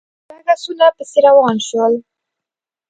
شپږ آسونه پسې روان شول.